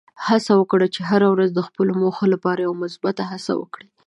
هڅه وکړه چې هره ورځ د خپلو موخو لپاره یوه مثبته هڅه وکړې.